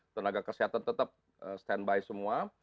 tenaga kesehatan tetap stand by semua